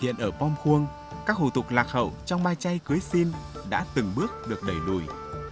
hiện ở pom khuôn các hủ tục lạc hậu trong mai chay cưới xin đã từng bước được đẩy lùi